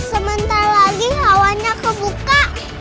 sementara lagi awannya kebuka